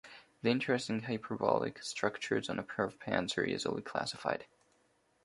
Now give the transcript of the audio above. The interesting hyperbolic structures on a pair of pants are easily classified.